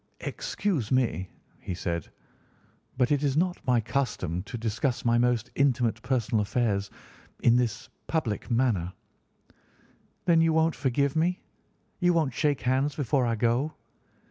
"Excuse me," he said, "but it is not my custom to discuss my most intimate personal affairs in this public manner." "Then you won't forgive me? You won't shake hands before I go?"